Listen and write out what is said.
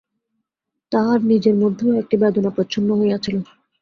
তাঁহার নিজের মধ্যেও একটি বেদনা প্রচ্ছন্ন হইয়া ছিল।